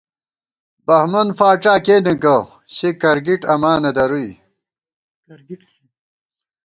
بہمن فاڄا کېنےگہ، سے کرگِٹ اماں نہ درُوئی